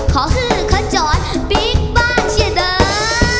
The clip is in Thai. ขอฮือเขาจอดบิ๊กบ้านเชียดเดิม